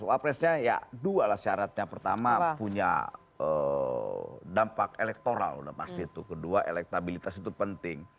wapresnya ya dua lah syaratnya pertama punya dampak elektoral kedua elektabilitas itu penting